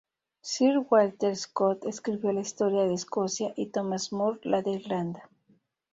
Sir Walter Scott escribió la historia de Escocia y Thomas Moore la de Irlanda.